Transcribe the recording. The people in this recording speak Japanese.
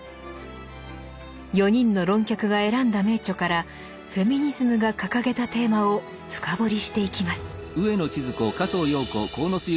４人の論客が選んだ名著からフェミニズムが掲げたテーマを深掘りしていきます。